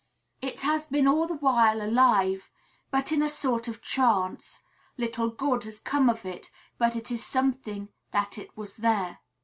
It has been all the while alive, but in a sort of trance; little good has come of it, but it is something that it was there.